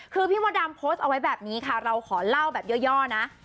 คือพี่มดดำโพสต์เอาไว้แบบนี้ค่ะเราขอเล่าแบบย่อนะ